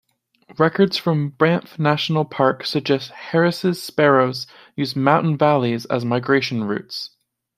Records from Banff National Park suggest Harris's sparrows use mountain valleys as migration routes.